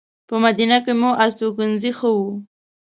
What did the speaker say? په مدینه کې مو استوګنځی ښه و.